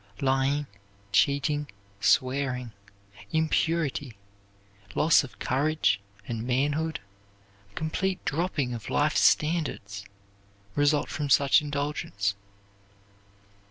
Lying, cheating, swearing, impurity, loss of courage and manhood, a complete dropping of life's standards, result from such indulgence.